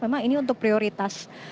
memang ini untuk prioritas